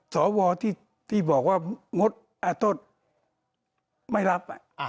ศวที่บอกว่างดอัตโศตรไม่รับ